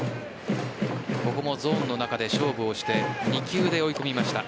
ここもゾーンの中で勝負をして２球で追い込みました。